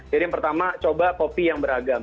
jadi yang pertama coba kopi yang beragam